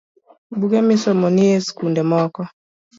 Buge misomo ni e sikunde moko